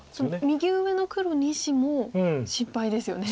右上の黒２子も心配ですよね。